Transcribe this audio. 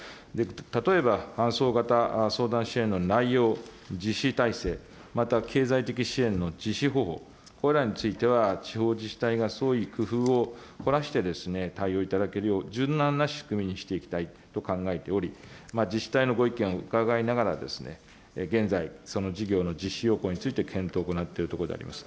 例えば、伴走型相談支援の内容、実施体制、また経済的支援の、これらについては、地方自治体が創意工夫を凝らして、対応いただけるよう、柔軟な仕組みにしていきたいと考えており、自治体のご意見伺いながら、現在、その事業の実施要項について検討を行っているところであります。